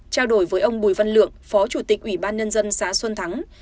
trao đổi với ông bùi văn lượng phó chủ tịch ủy ban nhân dân xã xuân thắng